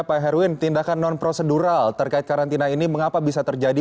pak herwin tindakan non prosedural terkait karantina ini mengapa bisa terjadi